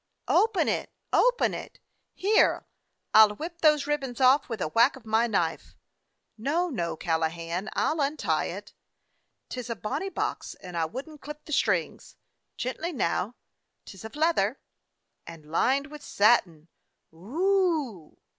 "Open it; open it! Here, I 'll whip those ribbons off with a whack of my knife." "No, no, Callahan, I 'll untie it. 'T is a bonny box, and I would n't clip the strings. Gently now; 't is of leather!" "And lined with satin. Whoo!"